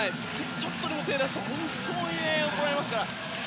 ちょっとでも手を出すと本当に怒られますから。